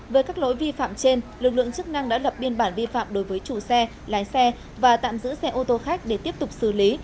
với các lỗi vi phạm trên lực lượng chức năng đã lập biên bản vi phạm đối với chủ xe lái xe và tạm giữ xe ô tô khách để tiếp tục xử lý